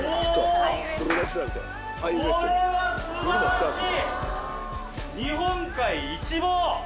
これは素晴らしい！